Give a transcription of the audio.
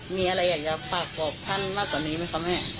มีอะไรอยากจะฝากบอกท่านมากกว่านี้ไหมคะแม่